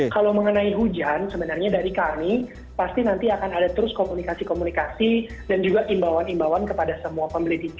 kalau mengenai hujan sebenarnya dari kami pasti nanti akan terus komunikasi komunikasi dan juga imbauan imbauan kepada semua pemerintah dan kesehatan itu